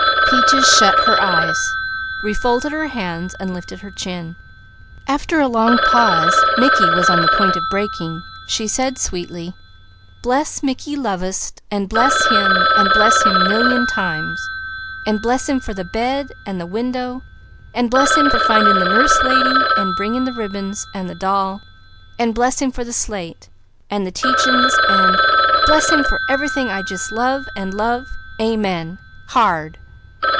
Peaches shut her eyes, refolded her hands and lifted her chin. After a long pause Mickey was on the point of breaking, she said sweetly: "Bless Mickey lovest, an' bless him, an' bless him million times; an' bless him for the bed, an' the window, an' bless him for finding the Nurse Lady, an' bringing the ribbons, an' the doll, an' bless him for the slate, an' the teachin's, an' bless him for everything I just love, an' love. Amen hard!"